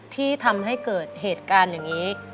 ที่ทำให้เกิดเหตุการณ์อย่างนี้